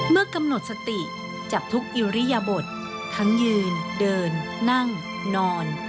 เมื่อกำหนดสติจับทุกอิริยบททั้งยืนเดินนั่งนอน